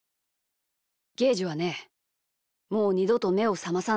ゲージはねもうにどとめをさまさない。